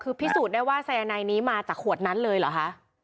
คือพิสูจน์ได้ว่าสายนายนี้มาจากขวดนั้นเลยเหรอคะ